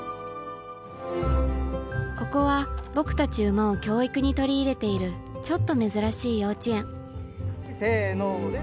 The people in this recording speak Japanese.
ここは僕たち馬を教育に取り入れているちょっと珍しい幼稚園せので！